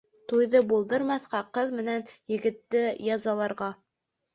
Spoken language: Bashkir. Туйҙы булдырмаҫҡа, ҡыҙ менән егетте язаларға!